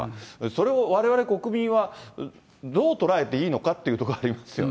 それをわれわれ国民は、どう捉えていいのかというところがありますよね。